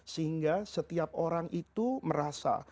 sehingga setiap orang itu merasa